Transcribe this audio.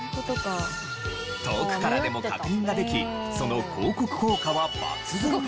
遠くからでも確認ができその広告効果は抜群でしたが。